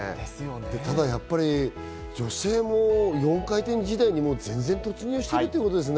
ただやっぱり女性も４回転時代に突入してるっていうことですね。